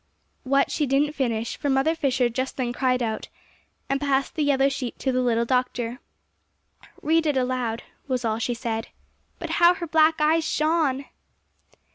What, she didn't finish; for Mother Fisher just then cried out, and passed the yellow sheet to the little doctor. "Read it aloud," was all she said. But how her black eyes shone!